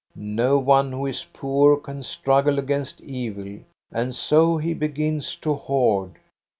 No one who is poor can struggle against ei iL And so he begins to hoard."